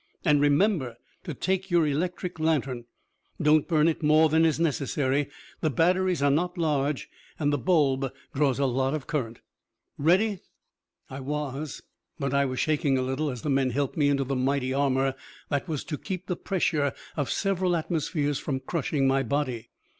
And remember to take your electric lantern. Don't burn it more than is necessary; the batteries are not large and the bulb draws a lot of current. Ready?" I was, but I was shaking a little as the men helped me into the mighty armor that was to keep the pressure of several atmospheres from crushing my body.